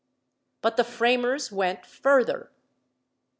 But the framers went further.